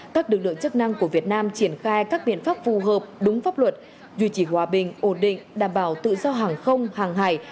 các lực lượng chức năng của việt nam triển khai các biện pháp phù hợp đúng pháp luật duy trì hòa bình ổn định đảm bảo tự do hàng không hàng hải